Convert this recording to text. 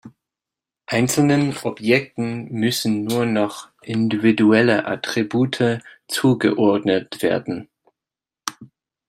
Einzelnen Objekten müssen nur noch individuelle Attribute zugeordnet werden.